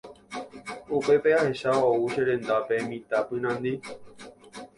Upépe ahecha ou che rendápe mitã pynandi.